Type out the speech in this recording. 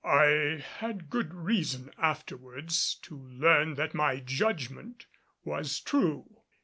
I had good reason afterwards to learn that my judgment was true.